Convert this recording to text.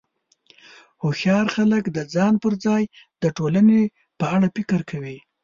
هوښیار خلک د ځان پر ځای د ټولنې په اړه فکر کوي.